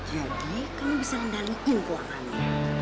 jadi kamu bisa rendah rendahin uangannya